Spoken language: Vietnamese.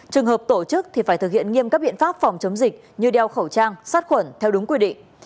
trường hợp tổ chức thì phải thực hiện nghiêm các biện pháp phòng chống dịch như đeo khẩu trang sát khuẩn theo đúng quy định